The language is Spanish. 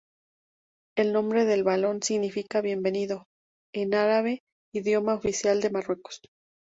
El nombre del balón significa "bienvenido", en árabe, idioma oficial de Marruecos.